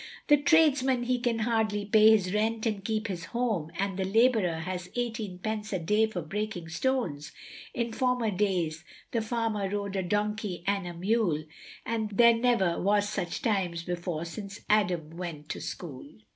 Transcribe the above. The tradesman he can hardly pay his rent and keep his home, And the labourer has eighteen pence a day for breaking stones, In former days the farmer rode a donkey or a mule, There never was such times before since Adam went to school.